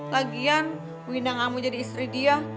lagian wina gak mau jadi istri dia